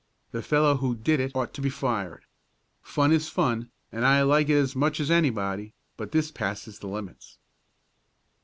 The fellow who did it ought to be fired. Fun is fun, and I like it as much as anybody, but this passes the limits."